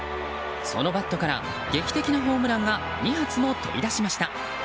そのバットから劇的なホームランが２発も飛び出しました。